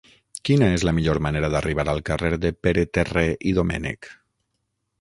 Quina és la millor manera d'arribar al carrer de Pere Terré i Domènech?